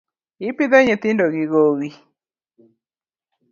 I pidho nyithindo gi gowi.